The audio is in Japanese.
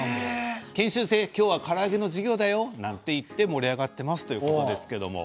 研修生、今日はから揚げの授業だよなんて言って盛り上がっていますということです。